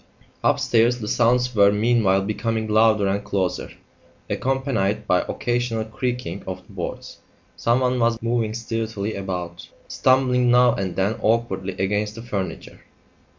Upstairs, the sounds were meanwhile becoming louder and closer, accompanied by occasional creaking of the boards. Someone was moving stealthily about, stumbling now and then awkwardly against the furniture.